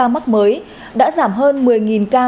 mắc mới đã giảm hơn một mươi ca